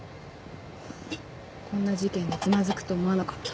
こんな事件でつまずくと思わなかった。